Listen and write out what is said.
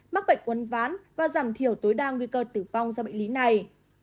mắc bệnh uấn ván và giảm thiểu tối đa nguy cơ tử phong do bệnh lý này